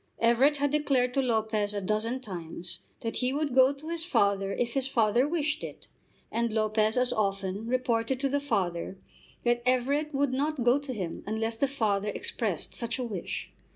Everett had declared to Lopez a dozen times that he would go to his father if his father wished it, and Lopez as often reported to the father that Everett would not go to him unless the father expressed such a wish.